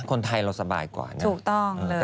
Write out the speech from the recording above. คนไทยเราสบายกว่านะถูกต้องเลย